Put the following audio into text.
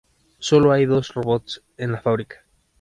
Sólo hay dos robots en la fábrica.